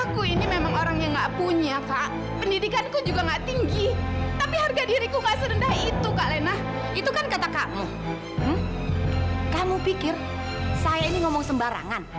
karena mama lena bukan orang sembarangan